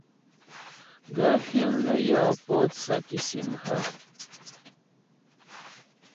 Gaə̂ fíŋ nə́ yɔ pótsə́ kìsìm hə̀ ?